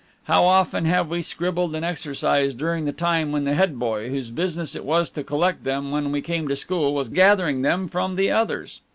How often have we scribbled an exercise during the time when the head boy, whose business it was to collect them when we came into school, was gathering them from the others!